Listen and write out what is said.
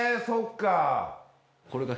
そっか。